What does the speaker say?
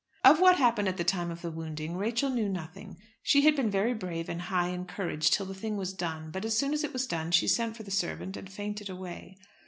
Of what happened at the time of the wounding Rachel knew nothing. She had been very brave and high in courage till the thing was done, but as soon as it was done she sent for the servant and fainted away.